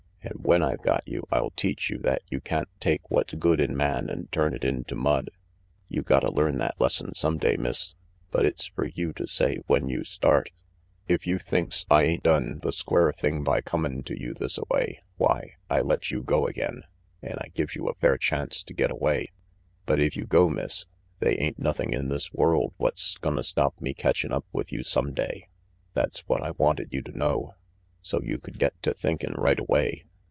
An' when I've got you, I'll teach you that you can't take what's good in man and turn it into mud. You gotta learn that lesson some day, Miss, but it's fer you to say when you start. If you thinks I ain't done the square thing by comin' to you thisaway, why, I lets you go again, an' I gives you a fair chance to get away. But if you go, Miss, they ain't nothing in this world what's gonna stop me catchin' up with you some day. That's what I wanted you to know, so you could get to thinkin' right away."